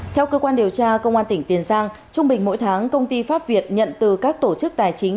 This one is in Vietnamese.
theo cơ quan điều tra công an tỉnh tiền giang trung bình mỗi tháng công ty pháp việt nhận từ các tổ chức tài chính